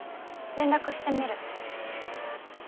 連絡してみる。